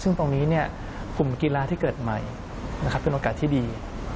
ซึ่งตรงนี้กลุ่มกีฬาที่เกิดใหม่เป็นโอกาสที่ดี